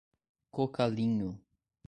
Cocalinho